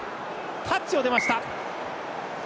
タッチを出ました。